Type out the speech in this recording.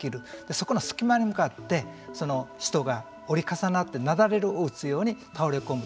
そこの隙間に向かって人が折り重なってなだれを打つように倒れ込む。